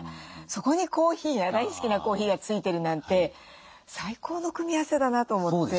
そこに大好きなコーヒーが付いてるなんて最高の組み合わせだなと思って。